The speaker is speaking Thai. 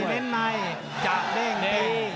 เด้งไหมจะเด้งตี